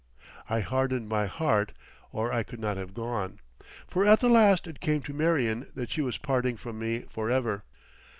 I hardened my heart, or I could not have gone. For at the last it came to Marion that she was parting from me for ever.